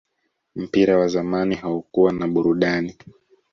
mpira wa zamani haukuwa na burudani